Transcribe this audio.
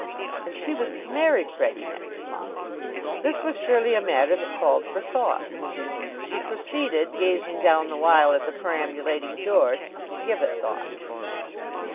And she was to marry Freddie next month! This was surely a matter that called for thought. She proceeded, gazing down the while at the perambulating George, to give it thought.